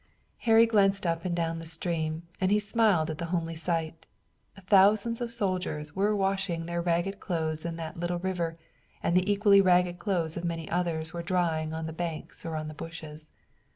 Harry glanced up and down the stream, and he smiled at the homely sight. Thousands of soldiers were washing their ragged clothes in the little river and the equally ragged clothes of many others were drying on the banks or on the bushes.